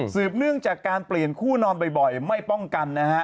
เนื่องจากการเปลี่ยนคู่นอนบ่อยไม่ป้องกันนะฮะ